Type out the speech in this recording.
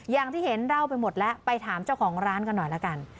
อย่างที่เห็นเล่าไปหมดแล้วไปถามเจ้าของร้านกันหน่อยละกัน